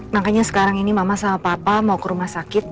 makanya sekarang ini mama sama papa mau ke rumah sakit